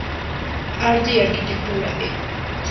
Arte y Arquitectura", Ed.